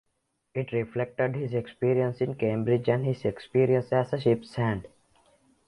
It reflected his experiences in Cambridge and his experience as a ship's hand.